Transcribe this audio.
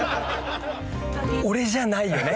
俺じゃないよね？